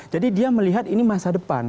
jadi dia melihat ini masa depan